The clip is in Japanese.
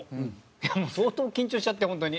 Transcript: いやもう相当緊張しちゃってホントに。